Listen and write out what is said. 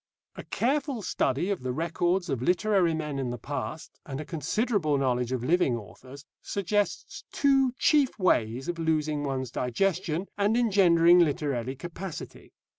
A careful study of the records of literary men in the past, and a considerable knowledge of living authors, suggests two chief ways of losing one's digestion and engendering literary capacity.